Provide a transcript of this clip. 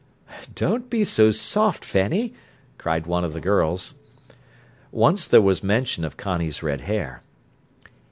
"Don't be so soft, Fanny!" cried one of the girls. Once there was mention of Connie's red hair.